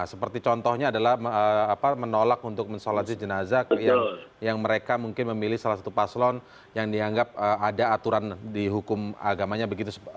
seperti contohnya adalah menolak untuk mensolasi jenazah yang mereka mungkin memilih salah satu paslon yang dianggap ada aturan di hukum agamanya begitu